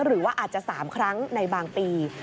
หรือว่าอาจจะ๓ครั้งในบางปี